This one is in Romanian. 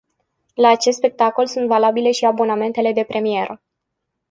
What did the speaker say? La acest spectacol sunt valabile și abonamentele de premieră.